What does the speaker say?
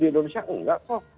di indonesia enggak kok